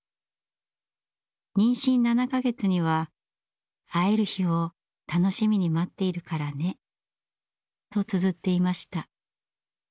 妊娠７か月には「会える日を楽しみに待っているからね」とつづっていました。